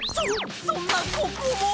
そそんなここも！？